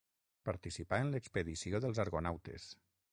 Participà en l'expedició dels argonautes.